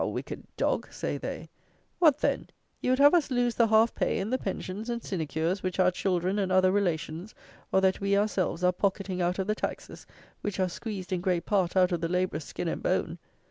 wicked dog!" say they, "What, then, you would have us lose the half pay and the pensions and sinecures which our children and other relations, or that we ourselves, are pocketing out of the taxes, which are squeezed, in great part, out of the labourer's skin and bone!"